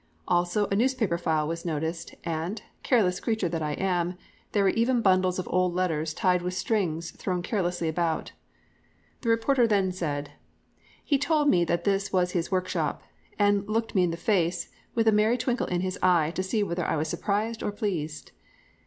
Also a newspaper file was noticed, and careless creature that I am "there were even bundles of old letters tied with strings thrown carelessly about." The reporter then said: "He told me this was his workshop, and looked me in the face with a merry twinkle in his eye to see whether I was surprised or pleased."